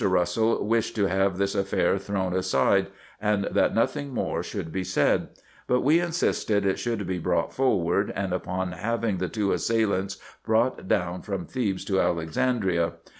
Russel wished to have this affair thrown aside, and that nothing more should be said ; but we insisted it should be brought forward, and upon having the two assailants brought down from Thebes to Alexandria.